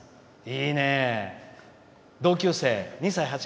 いいね！